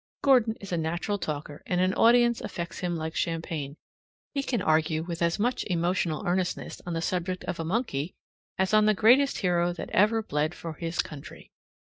Gordon is a natural talker, and an audience affects him like champagne. He can argue with as much emotional earnestness on the subject of a monkey as on the greatest hero that ever bled for his country.